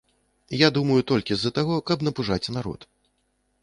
Я думаю, толькі з-за таго, каб напужаць народ.